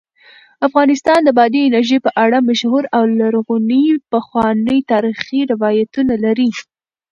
افغانستان د بادي انرژي په اړه مشهور او لرغوني پخواني تاریخی روایتونه لري.